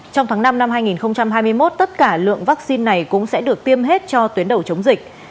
trong tháng năm năm hai nghìn hai mươi một tất cả lượng vaccine này cũng sẽ được tiêm hết cho tuyến đầu chống dịch